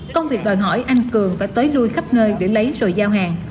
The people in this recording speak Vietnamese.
công việc đòi hỏi anh cường phải tới đuôi khắp nơi để lấy rồi giao hàng